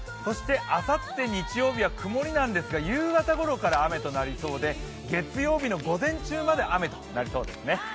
あさって日曜日は曇りなんですが、夕方ごろから雨となりそうで、月曜日の午前中まで雨となりそうですね。